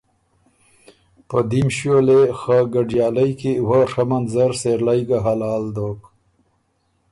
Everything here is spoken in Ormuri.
په دیم شیو لې خه ګډیالئ کی وۀ ڒمند زر سېرلئ ګه حلال دوک